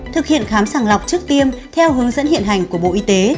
thực hiện khám sàng lọc trước tiêm theo hướng dẫn hiện hành của bộ y tế